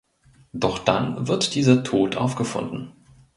Doch dann wird dieser tot aufgefunden.